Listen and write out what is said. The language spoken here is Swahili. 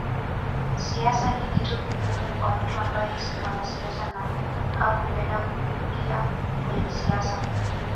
Siasa ni kitu kigumu kwa mtu ambaye si mwanasiasa na hakupenda kuingia kwenye siasa